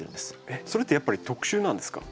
えっそれってやっぱり特殊なんですか？